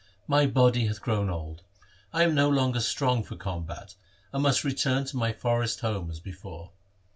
My body hath grown old. I am no longer strong for combat, and must return to my forest home as before.'